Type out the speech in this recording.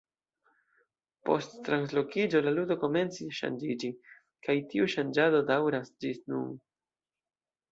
Post translokiĝo la ludo komencis ŝanĝiĝi, kaj tiu ŝanĝado daŭras ĝis nun.